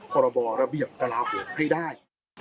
กรบรระเบียบตลาดห่วงให้ได้